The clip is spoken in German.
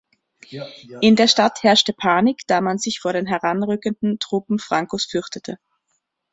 In der Stadt herrschte Panik, da man sich vor den heranrückenden Truppen Francos fürchtete.